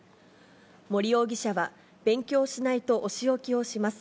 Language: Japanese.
森容疑者は、勉強しないとお仕置きをします。